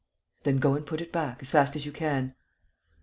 "Then go and put it back, as fast as you can."